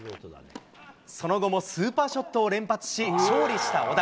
その後もスーパーショットを連発し、勝利した小田。